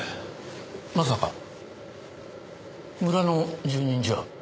まさか村の住人じゃ？